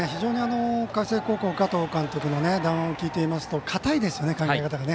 海星高校、加藤監督の談話を聞いていますと堅いですよね、考え方が。